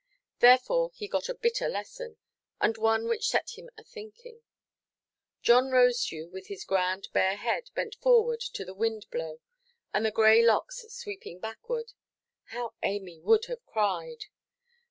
Therefore he got a bitter lesson, and one which set him a thinking. John Rosedew, with his grand bare head bent forward to the wind–blow, and the grey locks sweeping backward—how Amy would have cried!